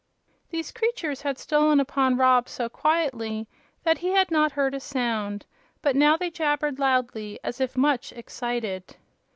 These creatures had stolen upon Rob so quietly that he had not heard a sound, but now they jabbered loudly, as if much excited.